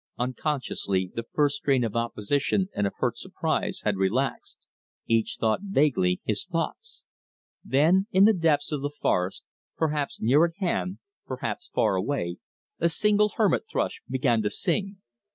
Unconsciously the first strain of opposition and of hurt surprise had relaxed. Each thought vaguely his thoughts. Then in the depths of the forest, perhaps near at hand, perhaps far away, a single hermit thrush began to sing.